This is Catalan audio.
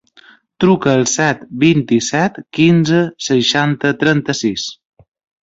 Truca al set, vint-i-set, quinze, seixanta, trenta-sis.